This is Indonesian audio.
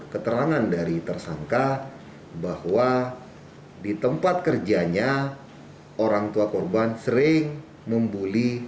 kepolisian sektor tamu